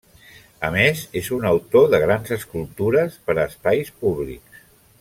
A més, és un autor de grans escultures per a espais públics.